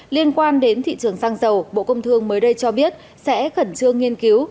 liên quan đến thị trường xăng dầu bộ công thương mới đây cho biết sẽ khẩn trương nghiên cứu